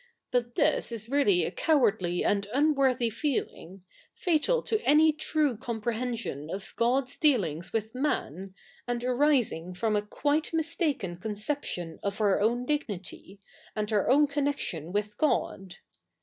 But this is really a cowardly and unworthy feeling, fatal to any true comprehension of God's dealings with majt, and arising from a qjiite mistaken cotiception of our own dignity, a?td our oivn co7inection with God.